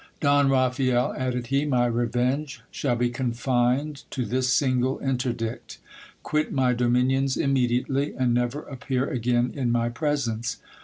Don Raphael, added he, my revenge shall be confined, to this single interdict Quit my dominions immediately, and never appear again in my presence.